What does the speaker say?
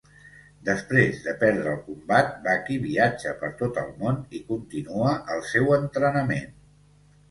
Després de perdre el combat, Baki viatja per tot el món i continua el seu entrenament.